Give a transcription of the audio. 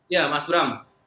ya mas bram